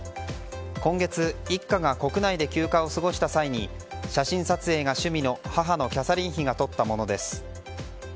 今月、一家が国内で休暇を過ごした際に写真撮影が趣味の母のキャサリン妃が撮ったものです。